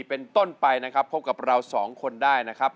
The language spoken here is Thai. เป็นต้นไปนะครับพบกับเราสองคนได้นะครับ